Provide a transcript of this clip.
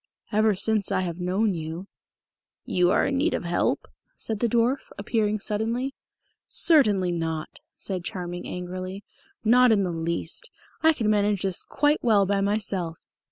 "Ever since I have known you " "You are in need of help?" said the dwarf, appearing suddenly. "Certainly not," said Charming angrily. "Not in the least. I can manage this quite well by myself."